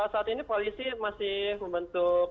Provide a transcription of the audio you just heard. saat ini polisi masih membentuk